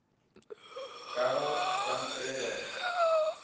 ڪاڙو جام تيز هي.